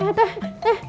eh teh eh